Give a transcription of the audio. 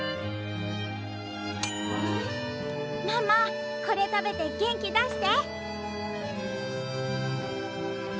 ママこれ食べて元気出して！